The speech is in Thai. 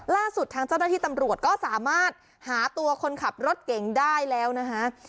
ล่าสุดทางเจ้าหน้าที่ตำรวจก็สามารถหาตัวคนขับรถเก่งได้แล้วนะคะ